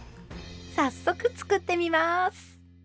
早速作ってみます。